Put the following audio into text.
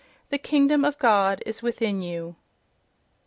"The Kingdom of God is within you"....